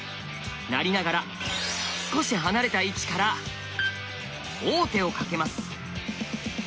成りながら少し離れた位置から王手をかけます。